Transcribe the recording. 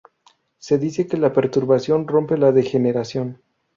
Se dice que la perturbación rompe la degeneración'.